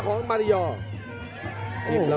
โยกขวางแก้งขวา